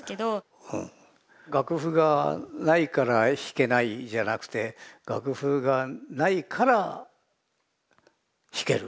楽譜がないから弾けないじゃなくて楽譜がないから弾ける。